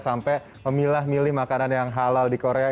sampai memilah milih makanan yang halal di korea